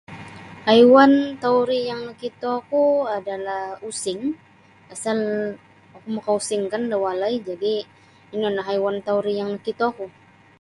Haiwan tauri yang nokitoku adalah using pasal oku makausing kan da walai jadi' ino nio haiwan tauri yang nokitoku.